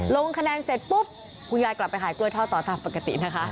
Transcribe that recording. ลงคะแนนเสร็จปุ๊บคุณยายกลับไปขายกล้วยทอดต่อตามปกตินะคะ